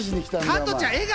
カトちゃん、笑顔！